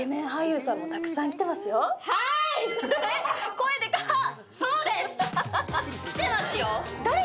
声、でかっ！